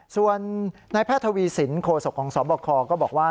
ส่วนนายแพทย์ทวีสินโคศกของสบคก็บอกว่า